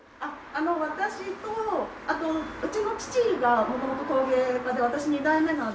私とあとうちの父が元々陶芸家で私２代目なんですけど。